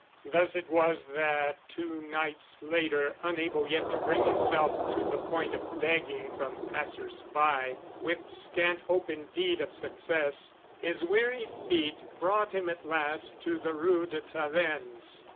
Thus it was that two nights later, unable yet to bring himself to the point of begging from passersby, with scant hope indeed of success, his weary feet brought him at last to the Rue de Tavennes.